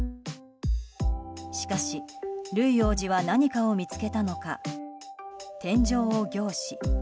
しかし、ルイ王子は何かを見つけたのか天井を凝視。